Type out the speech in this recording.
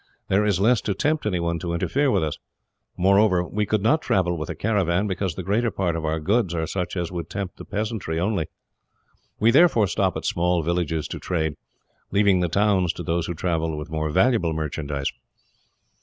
"There is less to tempt anyone to interfere with us. Moreover, we could not travel with a caravan, because the greater part of our goods are such as would tempt the peasantry only. We therefore stop at small villages to trade, leaving the towns to those who travel with more valuable merchandise."